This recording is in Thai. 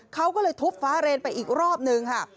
เขาก็เลยทุบฟ้าเรนไปอีกรอบนึงค่ะ